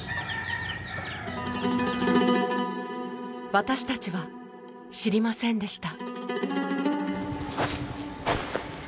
私たちは知りませんでした。